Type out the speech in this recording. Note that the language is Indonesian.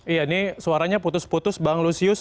iya ini suaranya putus putus bang lusius